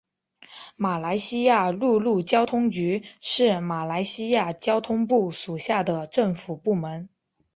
马来西亚陆路交通局是马来西亚交通部属下的政府部门。